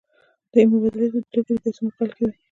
دې مبادلې ته توکي د پیسو په مقابل کې وايي